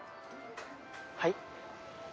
はい？